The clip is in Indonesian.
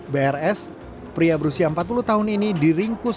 brs pria berusia empat puluh tahun ini diringkus